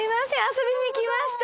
遊びにきました。